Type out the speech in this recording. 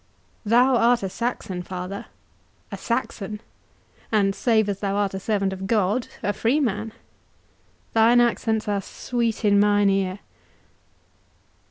Thou art a Saxon, father—a Saxon, and, save as thou art a servant of God, a freeman.—Thine accents are sweet in mine ear."